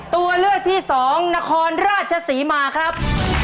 ตัวเลือกที่สองนครราชศรีมาครับ